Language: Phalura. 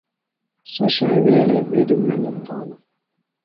سوۡ ݜاوِیڑے بِیڈیۡ محنت تھانوۡ۔